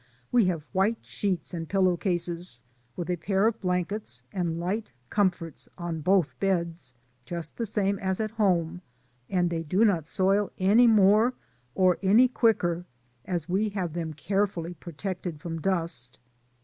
We have white sheets and pillow cases, with a pair of blankets, and light comforts on both beds, just the same as at home, and they do not soil any more or any quicker, as we have them carefully protected from dust.